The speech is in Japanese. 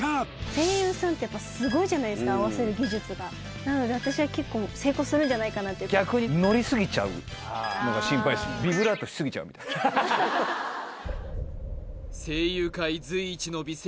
声優さんってやっぱすごいじゃないですか合わせる技術がなので私は結構成功するんじゃないかなって逆にノリすぎちゃうのが心配っすねみたいな声優界随一の美声